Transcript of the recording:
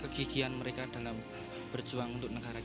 di seluruh indonesia